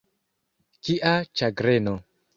Kia ĉagreno!